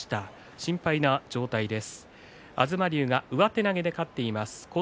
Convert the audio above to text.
心配な状態です。